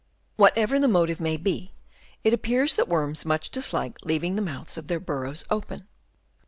Whatever the motive may be, it appears that worms much dislike leaving the mouths of their burrows open.